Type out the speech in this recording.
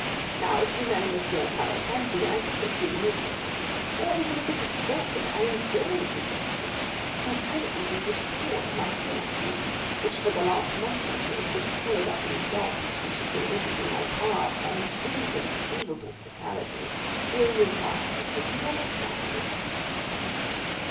Now, if you marry M. Cavalcanti, and I get the three millions, or even if it is thought I am going to get them, my credit will be restored, and my fortune, which for the last month or two has been swallowed up in gulfs which have been opened in my path by an inconceivable fatality, will revive. Do you understand me?"